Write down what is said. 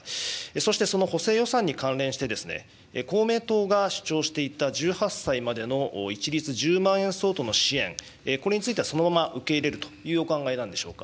そしてその補正予算に関連して、公明党が主張していた１８歳までの一律１０万円相当の支援、これについては、そのまま受け入れるというお考えなんでしょうか。